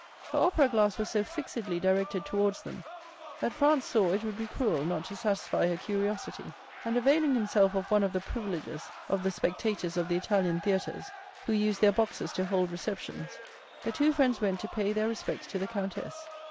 Her opera glass was so fixedly directed towards them, that Franz saw it would be cruel not to satisfy her curiosity; and, availing himself of one of the privileges of the spectators of the Italian theatres, who use their boxes to hold receptions, the two friends went to pay their respects to the countess.